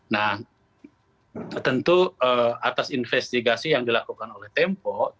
nah tentu atas investigasi yang dilakukan oleh tempo